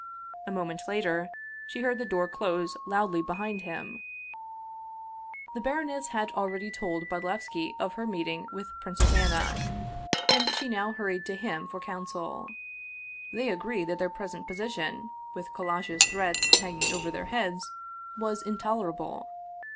A moment later, and she heard the door close loudly behind him. 237 Russian Mystery Stories The baroness had already told Bodlevski of her meeting with Princess Anna, and she now hurried to him for coun sel. They agreed that their present position, with Kal lash's threats hanging over their heads, was intolerable.